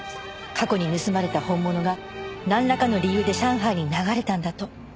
過去に盗まれた本物がなんらかの理由で上海に流れたんだと。